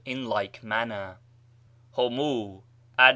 in like manner. ὁμοῦ, adv.